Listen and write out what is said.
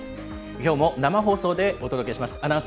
きょうも生放送でお届けします。